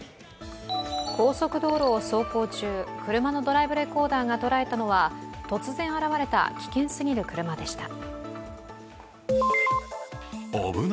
高速道路を走行中車のドライブレコーダーが捉えたのは突然現れた危険すぎる車でした。